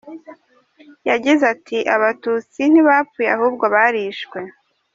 Yagize ati” Abatutsi ntibapfuye ahubwo barishwe.